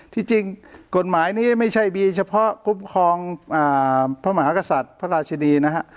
ที่จริงกฎหมายนี้ไม่ใช่มีเฉพาะคุ้มครองพระมหากษัตริย์พระราชดีนะฮะ